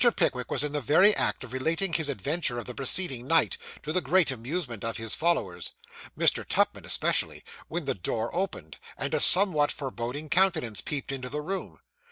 Pickwick was in the very act of relating his adventure of the preceding night, to the great amusement of his followers, Mr. Tupman especially, when the door opened, and a somewhat forbidding countenance peeped into the room.